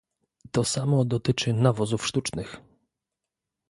To samo dotyczy nawozów sztucznych